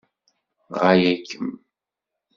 Ɣaya-kem.